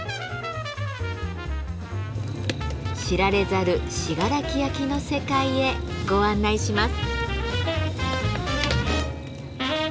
知られざる信楽焼の世界へご案内します。